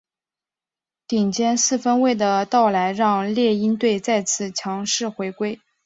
顶尖四分卫的到来让猎鹰队再次强势回归。